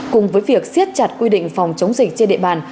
cùng với việc siết chặt quy định phòng chống dịch trên địa bàn